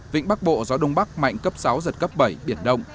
vịnh bắc bộ gió đông bắc mạnh cấp sáu giật cấp bảy biển động